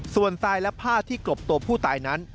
ส่วนทรายและผ้าที่กลบตัวผู้ตายนั้น